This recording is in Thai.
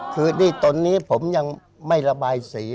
คือที่ตอนนี้ผมยังไม่ระบายสี